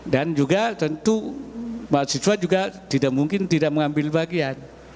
dan juga tentu mahasiswa juga tidak mungkin tidak mengambil bagian